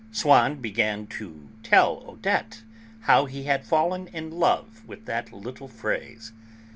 Swann began to tell Odette how he had fallen in love with that little phrase.